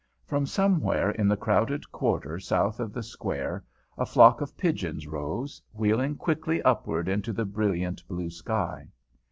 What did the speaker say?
From somewhere in the crowded quarter south of the Square a flock of pigeons rose, wheeling quickly upward into the brilliant blue sky.